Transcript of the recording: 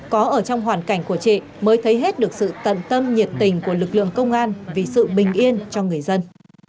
có ở trong hoàn cảnh của chị mới thấy hết được sự tận tâm nhiệt tình của lực lượng công an vì sự bình yên cho người dân